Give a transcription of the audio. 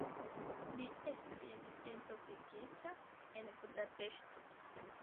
Li estis entombigita en Budapeŝto.